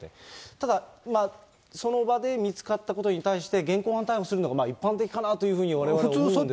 ただ、その場で見つかったことに対して、現行犯逮捕するのが一般的かなというふうにわれわれは思うんですが。